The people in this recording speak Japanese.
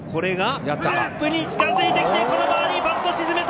カップに近づいてきて、このバーディーパットを沈めた！